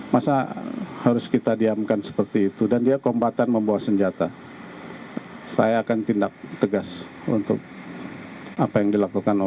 masa harus kita diamkan seperti itu dan dia kombatan membawa senjata saya akan tindak tegas untuk apa yang dilakukan